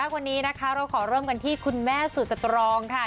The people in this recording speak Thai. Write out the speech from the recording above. วันนี้นะคะเราขอเริ่มกันที่คุณแม่สุดสตรองค่ะ